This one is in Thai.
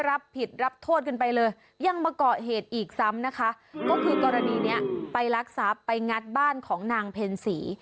รับผิดรับโทษกันไปเลยยังมาเกาะเหตุอีกซ้ำนะคะก็คือกรณีนี้ไปรักทรัพย์ไปงัดบ้านของนางเพ็ญศรี